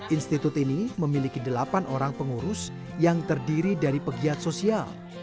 institut ini memiliki delapan orang pengurus yang terdiri dari pegiat sosial